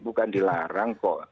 bukan dilarang kok